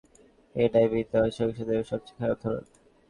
এটাই বিদ্যমান সহিংসতার সবচেয়ে খারাপ ধরণ।